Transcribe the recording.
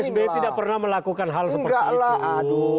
pak sby tidak pernah melakukan hal seperti itu